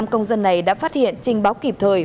năm công dân này đã phát hiện trình báo kịp thời